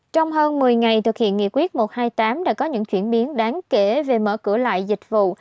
trong hơn một mươi ngày thực hiện nghị quyết một trăm hai mươi tám đã có những chuyển biến đáng kể về mở cửa lại dịch vụ